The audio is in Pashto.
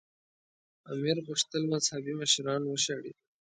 امیر غوښتل مذهبي مشران وشړي.